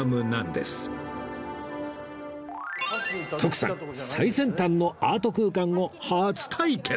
徳さん最先端のアート空間を初体験